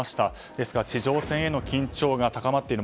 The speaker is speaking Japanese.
ですから、地上戦への緊張が高まっている。